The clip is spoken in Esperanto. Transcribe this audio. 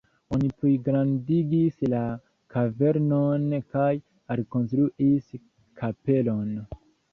Oni pligrandigis la kavernon kaj alkonstruis kapelon.